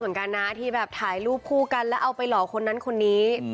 เหมือนกันนะที่แบบถ่ายรูปคู่กันแล้วเอาไปหลอกคนนั้นคนนี้